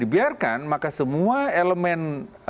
dibiarkan maka semua elemen